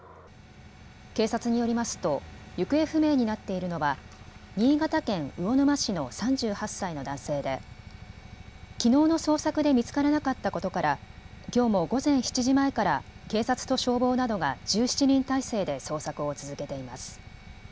警察によりますと行方不明になっているのは新潟県魚沼市の３８歳の男性できのうの捜索で見つからなかったことからきょうも午前７時前から警察と消防などが１７人態勢で捜索を続けています。